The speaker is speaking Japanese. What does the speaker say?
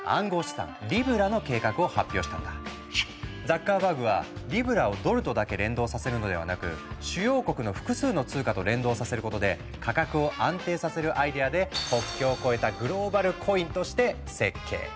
ザッカーバーグはリブラをドルとだけ連動させるのではなく主要国の複数の通貨と連動させることで価格を安定させるアイデアで国境を越えた「グローバルコイン」として設計。